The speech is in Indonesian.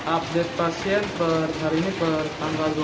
update pasien per hari ini per tanggal dua puluh